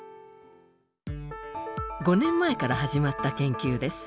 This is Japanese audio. ５年前から始まった研究です。